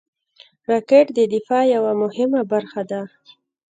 راکټ د دفاع یوه مهمه برخه ده